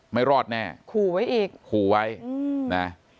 ไม่รอดแน่ขู่ไว้อีกขู่ไว้นะ